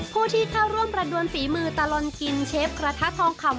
ผู้ที่เข้าร่วมประดวนฝีมือตลอดกินเชฟกระทะทองคำ